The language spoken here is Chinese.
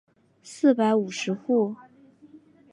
四百五十户。